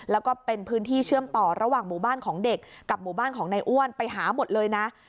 แล้วก็เป็นพื้นที่เชื่อมต่อระหว่างหมู่บ้านของเด็กกับหมู่บ้านของนายอ้วนไปหาหมดเลยนะ